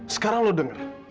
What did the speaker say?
sekarang lu denger